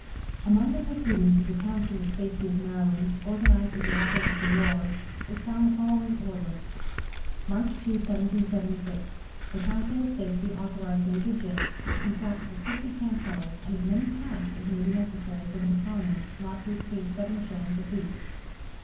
Among the proceedings of the "Council of Safety" of Maryland, organized at the outbreak of the war, is found the following order: "March 2, 1776. The Council of Safety authorize Major Gist to contract for fifty camp kettles and as many hats as may be necessary for the battalion, not to exceed 7 shillings apiece."